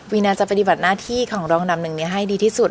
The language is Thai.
น่าจะปฏิบัติหน้าที่ของรองอันดับหนึ่งนี้ให้ดีที่สุด